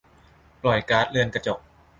ปล่อยก๊าซเรือนกระจก